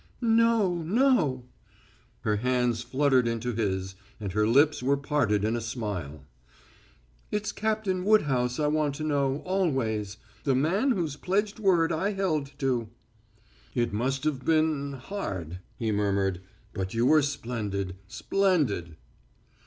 "No no!" Her hands fluttered into his, and her lips were parted in a smile. "It's Captain Woodhouse I want to know always; the man whose pledged word I held to." "It must have been hard," he murmured. "But you were splendid splendid!"